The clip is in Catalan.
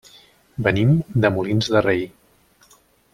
Venim de Molins de Rei.